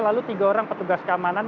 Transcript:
lalu tiga orang petugas keamanan